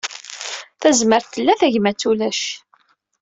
Tazmert tella, tagmatt ulac.